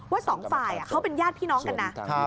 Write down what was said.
สองฝ่ายเขาเป็นญาติพี่น้องกันนะ